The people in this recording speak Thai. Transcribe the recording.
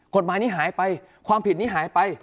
กฎหมายนี้หายไปความผิดนี้หายไป